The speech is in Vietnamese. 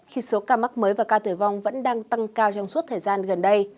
khi số ca mắc mới và ca tử vong vẫn đang tăng cao trong suốt thời gian gần đây